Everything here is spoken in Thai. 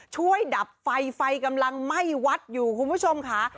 ดับไฟไฟกำลังไหม้วัดอยู่คุณผู้ชมค่ะ